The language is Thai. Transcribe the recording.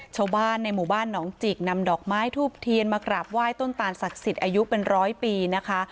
ชาวบ้านในหมู่บ้านหนองจิกนำดอกไม้ทูบเทียนมากราบไหว้ต้นตาลศักดิ์สิทธิ์อายุเป็นร้อยปีนะคะ